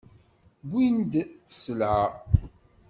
Wwin-d sselɛa.